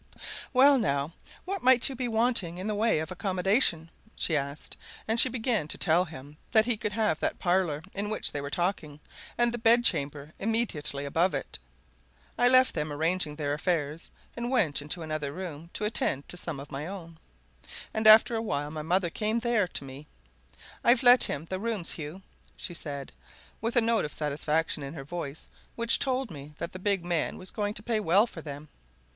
"Well, now, what might you be wanting in the way of accommodation?" she asked, and she began to tell him that he could have that parlour in which they were talking, and the bedchamber immediately above it. I left them arranging their affairs, and went into another room to attend to some of my own, and after a while my mother came there to me. "I've let him the rooms, Hugh," she said, with a note of satisfaction in her voice which told me that the big man was going to pay well for them.